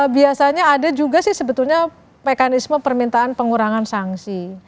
biasanya ada juga sih sebetulnya mekanisme permintaan pengurangan sanksi